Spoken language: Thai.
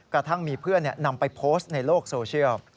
กระทั่งมีเพื่อนนำไปโพสต์ในโลกโซเชียล